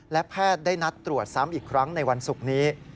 และแพทย์ได้นัดตรวจซ้ำอีกครั้งในวันศุกร์นี้